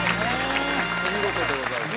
お見事でございました